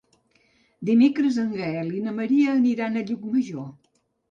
Dimecres en Gaël i na Maria aniran a Llucmajor.